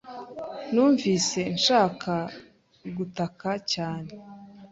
Numvise nshaka gutaka cyane.